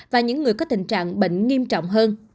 và những người có tình trạng bệnh nghiêm trọng hơn